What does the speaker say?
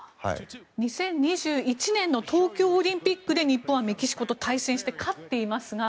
２０２１年の東京オリンピックで日本はメキシコと対戦して勝っていますが。